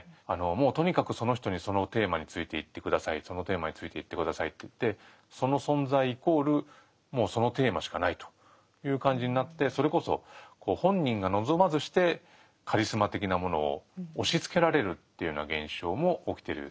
もうとにかくその人にそのテーマについて言って下さいそのテーマについて言って下さいっていってその存在イコールもうそのテーマしかないという感じになってそれこそ本人が望まずしてカリスマ的なものを押しつけられるっていうような現象も起きてる。